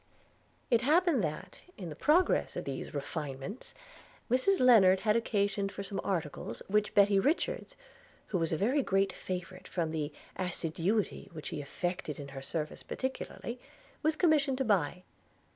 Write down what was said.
It happened that, in the progress of these refinements, Mrs Lennard had occasion for some articles which Betty Richards (who was a very great favourite, from the assiduity which she affected in her service particularly) was commissioned to buy.